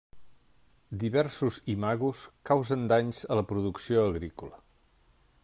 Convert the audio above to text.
Diversos imagos causen danys a la producció agrícola.